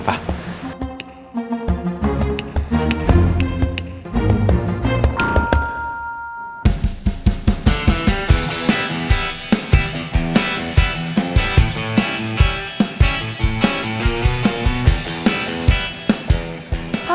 iya ini dah matiin